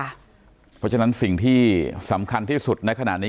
เพราะฉะนั้นสิ่งที่สำคัญที่สุดในขณะนี้